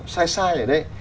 sai sai ở đây